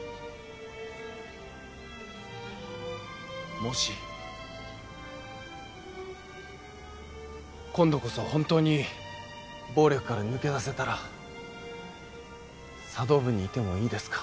もし今度こそ本当に暴力から抜け出せたら茶道部にいてもいいですか？